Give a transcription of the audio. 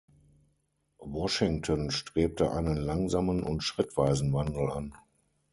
Washington strebte einen langsamen und schrittweisen Wandel an.